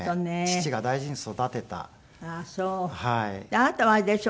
あなたはあれでしょう？